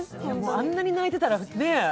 あんなに泣いてたら、ねぇ。